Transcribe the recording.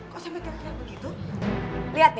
kok sampai terlihat begitu